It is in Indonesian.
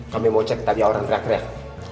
kami mau cek tadi orang kreak kreak